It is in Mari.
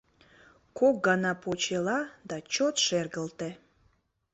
Кок гана почела да чот шергылте.